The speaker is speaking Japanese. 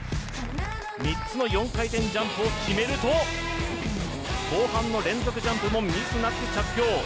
３つの４回転ジャンプを決めると後半の連続ジャンプもミスなく着氷。